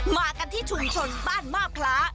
มากันที่ชุมชนบ้านมาบคล้า